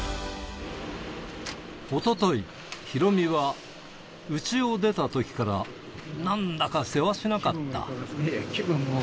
おととい、ヒロミはうちを出たときからなんだかせわしなかった。